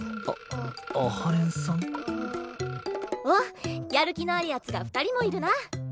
おっやる気のあるヤツが二人もいるな。